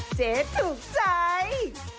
เจ๊ถูกใจ